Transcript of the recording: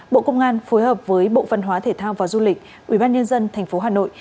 bộ công an phối hợp với bộ văn hóa thể thao và du lịch ubnd tp hà nội